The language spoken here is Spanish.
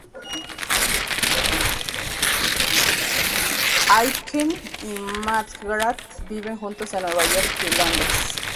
Aitken y McGrath viven juntos en Nueva York y Londres.